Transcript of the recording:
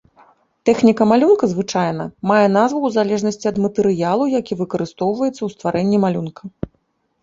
Тэхніка малюнка, звычайна, мае назву ў залежнасці ад матэрыялу, які выкарыстоўваецца ў стварэнні малюнка.